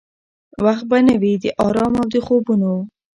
وخت به نه وي د آرام او د خوبونو؟